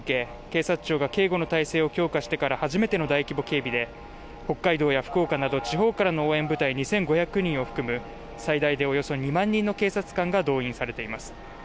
警察庁が警護の体制を強化してから初めての大規模警備で北海道や福岡など地方からの応援部隊２５００人を含む最大でおよそ２万人の警察官が動員されています